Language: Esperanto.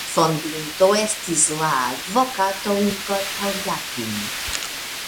Fondinto estis la advokato "Igor Kaljapin".